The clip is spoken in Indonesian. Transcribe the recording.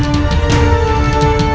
kepala kujang kempar